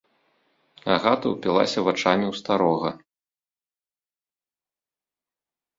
Агата ўпілася вачамі ў старога.